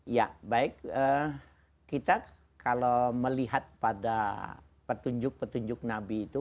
ya baik kita kalau melihat pada petunjuk petunjuk nabi itu